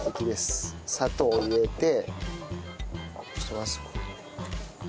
砂糖を入れて。